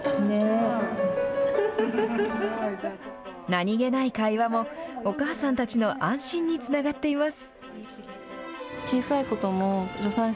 何気ない会話も、お母さんたちの安心につながっています。